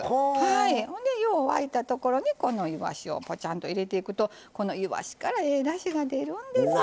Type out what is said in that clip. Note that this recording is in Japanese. ほんでよう沸いたところにこのいわしをポチャンと入れていくとこのいわしからええだしが出るんですよ。